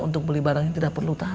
untuk beli barang yang tidak perlu tadi